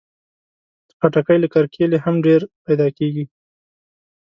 خټکی له کرکيله هم ډېر پیدا کېږي.